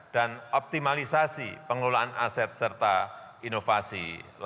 dan optimalisasi pengelolaan aset serta inovasi